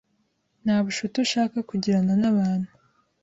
ntabushuti ushaka kugirana n’abantu